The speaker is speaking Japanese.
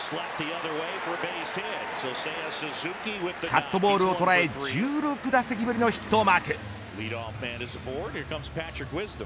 カットボールを捉え１６打席ぶりのヒットをマーク。